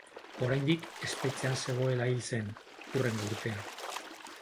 Oraindik espetxean zegoela hil zen, hurrengo urtean.